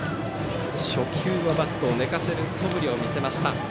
初球のバットを寝かせるそぶりを見せました。